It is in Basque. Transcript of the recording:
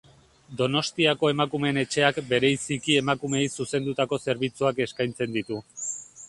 Donostiako Emakumeen Etxeak bereiziki emakumeei zuzendutako zerbitzuak eskaintzen ditu.